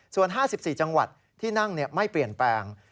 ส่วน๕๔จังหวัดที่นั่งไม่เปลี่ยนแปลง